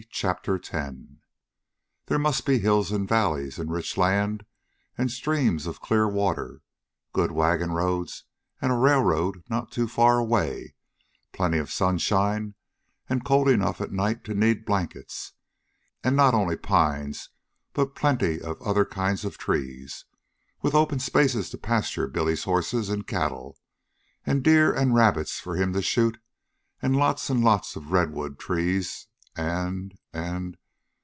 CHAPTER X "There must be hills and valleys, and rich land, and streams of clear water, good wagon roads and a railroad not too far away, plenty of sunshine, and cold enough at night to need blankets, and not only pines but plenty of other kinds of trees, with open spaces to pasture Billy's horses and cattle, and deer and rabbits for him to shoot, and lots and lots of redwood trees, and... and...